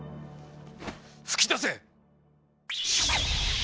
噴き出せ！